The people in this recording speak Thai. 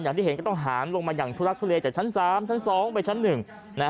อย่างที่เห็นก็ต้องหามลงมาอย่างทุลักทุเลจากชั้น๓ชั้น๒ไปชั้นหนึ่งนะฮะ